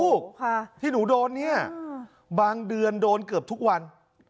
ลูกค่ะที่หนูโดนเนี่ยบางเดือนโดนเกือบทุกวัน